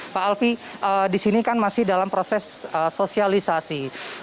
pak alfi di sini kan masih dalam proses sosialisasi